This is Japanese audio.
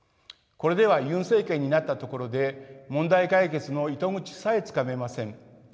これではユン政権になったところで問題解決の糸口さえつかめません。